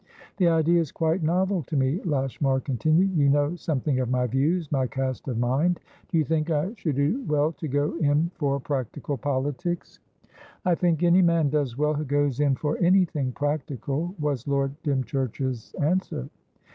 "The idea is quite novel to me," Lashmar continued. "You know something of my viewsmy cast of mind; do you think I should do well to go in for practical politics?" "I think any man does well who goes in for anything practical," was Lord Dymchurch's answer.